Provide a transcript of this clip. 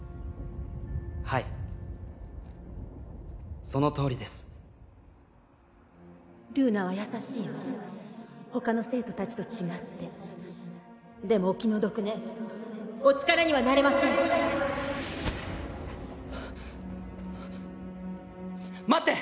はいそのとおりですルーナは優しいわ他の生徒たちと違ってでもお気の毒ねお力にはなれません待って！